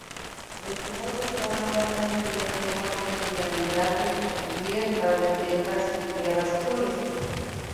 El tejado de cada una tiene forma piramidal recubierta de tejas vidriadas azules.